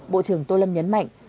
bộ trưởng tô lâm nhấn mạnh